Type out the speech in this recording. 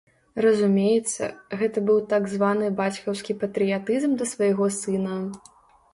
Разумеецца, гэта быў так званы бацькаўскі патрыятызм да свайго сына.